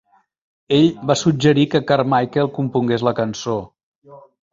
Ell va suggerir que Carmichael compongués la cançó.